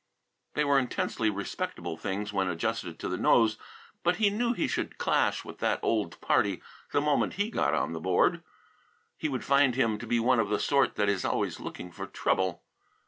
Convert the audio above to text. They were intensely respectable things when adjusted to the nose, but he knew he should clash with that old party the moment he got on the Board. He would find him to be one of the sort that is always looking for trouble.